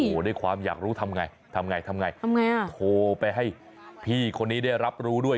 โอ้โหด้วยความอยากรู้ทำไงทำไงทำไงทำไงอ่ะโทรไปให้พี่คนนี้ได้รับรู้ด้วย